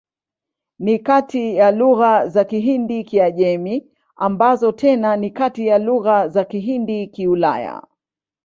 Ni kati ya lugha za Kihindi-Kiajemi, ambazo tena ni kati ya lugha za Kihindi-Kiulaya.